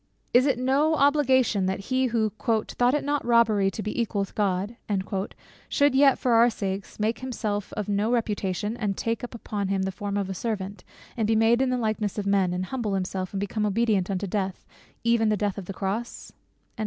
Is it no obligation, that he who "thought it not robbery to be equal with God," should yet for our sakes "make himself of no reputation, and take upon him the form of a servant, and be made in the likeness of men; and humble himself, and become obedient unto death, even the death of the cross?"